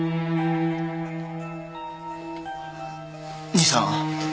兄さん。